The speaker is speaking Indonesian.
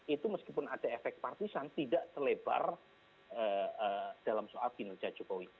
itu meskipun ada efek partisan tidak selebar dalam soal kinerja jokowi